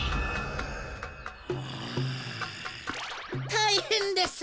たいへんです！